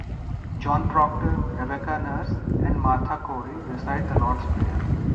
John Proctor, Rebecca Nurse and Martha Corey recite the Lord's Prayer.